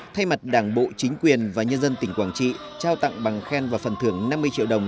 thay mặt đảng bộ chính quyền và nhân dân tỉnh quảng trị trao tặng bằng khen và phần thưởng năm mươi triệu đồng